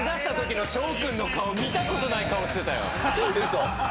嘘？